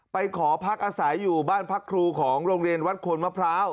ไปขอพักอาศัยอยู่บ้านพักครูของโรงเรียนวัดควนมะพร้าว